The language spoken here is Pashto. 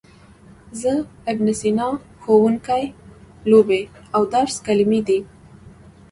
زه، ابن سینا، ښوونکی، لوبې او درس کلمې دي.